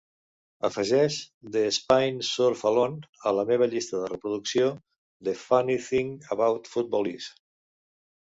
afegeix "The Spine Surfs Alone" a la meva llista de reproducció "The Funny Thing About Football Is"